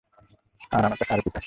আর, আমার কাছে আরো পিস আছে।